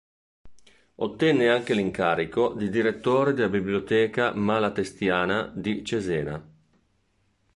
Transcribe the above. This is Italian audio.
Ottenne anche l'incarico di direttore della Biblioteca Malatestiana di Cesena.